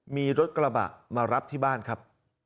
มีรถกระบะมารับที่บ้านครับ